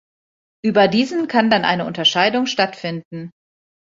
Über diesen kann dann eine Unterscheidung stattfinden.